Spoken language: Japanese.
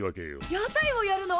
屋台をやるの？